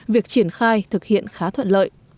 việc triển khai thực hiện khá thuận lợi